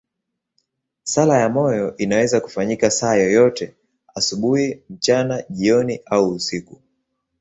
Sala ya moyo inaweza kufanyika saa yoyote, asubuhi, mchana, jioni au usiku.